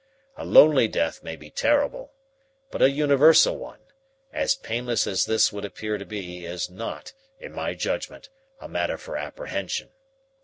A lonely death may be terrible, but a universal one, as painless as this would appear to be, is not, in my judgment, a matter for apprehension.